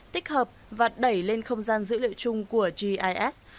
tích hợp và đẩy lên không gian dữ liệu chung của gis